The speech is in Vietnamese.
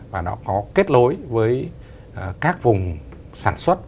và đã có kết lối với các vùng sản xuất